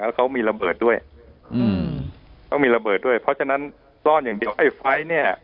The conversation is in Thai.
แล้วเขามีระเบิดด้วยอืมต้องมีระเบิดด้วยเพราะฉะนั้นซ่อนอย่างเดียวไอ้ไฟล์เนี่ย